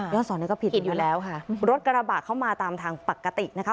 สอนนี้ก็ผิดอยู่แล้วค่ะรถกระบะเข้ามาตามทางปกตินะคะ